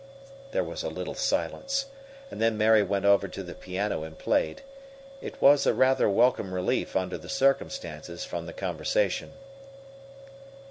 There was a little silence, and then Mary went over to the piano and played. It was a rather welcome relief, under the circumstances, from the conversation.